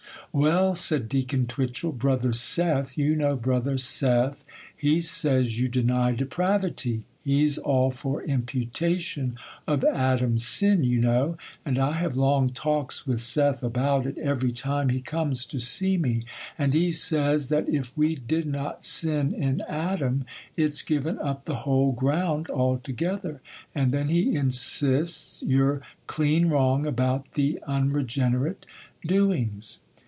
'Well,' said Deacon Twitchel, 'Brother Seth—you know Brother Seth,—he says you deny depravity. He's all for imputation of Adam's sin, you know; and I have long talks with Seth about it, every time he comes to see me; and he says, that if we did not sin in Adam, it's givin' up the whole ground altogether; and then he insists you're clean wrong about the unregenerate doings.